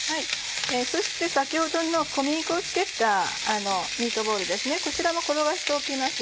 そして先ほどの小麦粉を付けたミートボールですねこちらも転がしておきます。